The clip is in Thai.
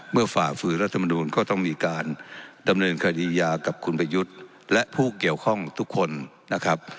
ฝ่าฝืนรัฐมนูลก็ต้องมีการดำเนินคดียากับคุณประยุทธ์และผู้เกี่ยวข้องทุกคนนะครับ